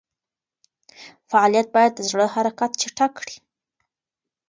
فعالیت باید د زړه حرکت چټک کړي.